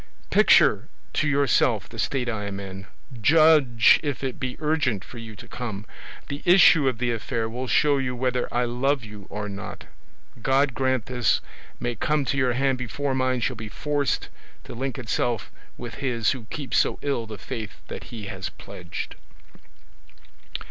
Picture to yourself the state I am in; judge if it be urgent for you to come; the issue of the affair will show you whether I love you or not. God grant this may come to your hand before mine shall be forced to link itself with his who keeps so ill the faith that he has pledged.